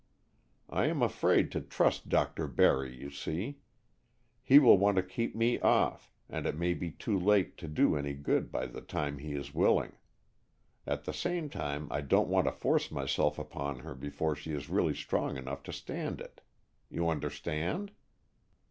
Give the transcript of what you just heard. I am afraid to trust Dr. Barry, you see. He will want to keep me off, and it may be too late to do any good by the time he is willing. At the same time I don't want to force myself upon her before she really is strong enough to stand it. You understand?"